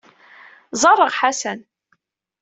Ẓẓareɣ Ḥasan.